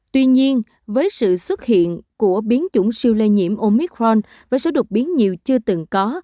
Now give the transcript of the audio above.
tuy nhiên với sự xuất hiện của biến chủng siêu lây nhiễm omicron với số đột biến nhiều chưa từng có